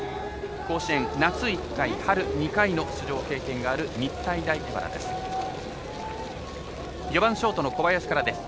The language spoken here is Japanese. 甲子園、夏１回、春２回の出場経験がある日体大荏原です。